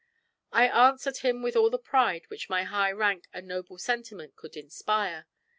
I answered him with all the pride which my high rank and noble sentiment could inspire.